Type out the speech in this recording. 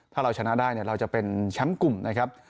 ถ้าเราชนะได้เราจะเป็นแชมป์กลุ่มนะครับ